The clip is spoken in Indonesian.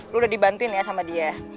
lu udah dibantuin ya sama dia